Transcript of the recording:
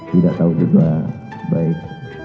tidak tahu juga baik